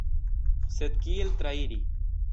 Sed kiel trairi?